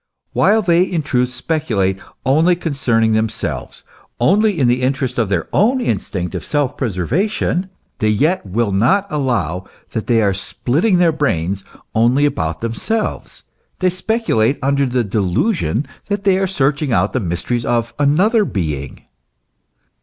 While they in truth speculate only concerning themselves, only in the interest of their own instinct of self preservation ; they yet will not allow that they are splitting their brains only about themselves; they speculate under the delusion that they are searching out the mysteries of another being.